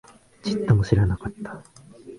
ちっとも知らなかった